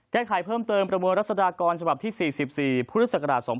แก้ไขเพิ่มเติมประมวลรัศดากรสำหรับที่๔๔พศ๒๕๖๐